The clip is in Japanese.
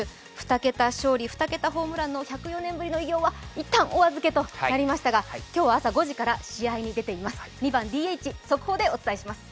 ２桁勝利・２桁ホームランの１０４年ぶりの偉業はいったんお預けとなりましたが今日は朝５時から試合に出ています